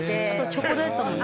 チョコレートもね。